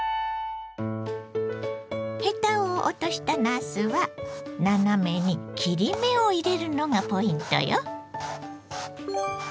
ヘタを落としたなすは斜めに切り目を入れるのがポイントよ。